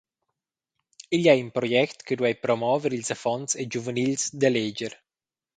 Igl ei in project che duei promover ils affons e giuvenils da leger.